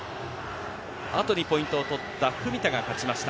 後にポイントを取った文田が勝ちました。